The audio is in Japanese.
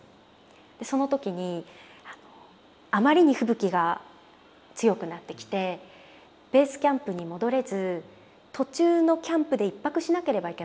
その時にあまりに吹雪が強くなってきてベースキャンプに戻れず途中のキャンプで１泊しなければいけなかったんですね。